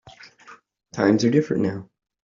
Times are different now.